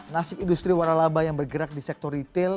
nasib industri warna laba yang bergerak di sektor retail